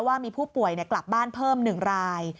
ว่ามีผู้ป่วยกลับบ้านเพิ่ม๑ราย